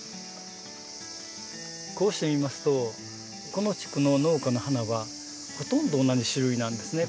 こうして見ますとこの地区の農家の花はほとんど同じ種類なんですね。